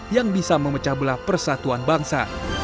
yang bisa memecah belah persatuan bangsa